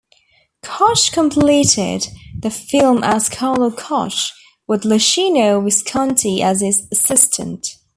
Koch completed the film as "Carlo Koch", with Luchino Visconti as his assistant.